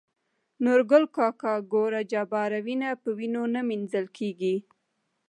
نورګل کاکا :ګوره جباره وينه په وينو نه مينځل کيږي.